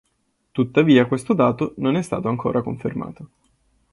Tuttavia questo dato non è stato ancora confermato.